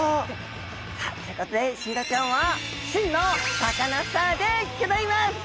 さあということでシイラちゃんは真のサカナスターでギョざいます！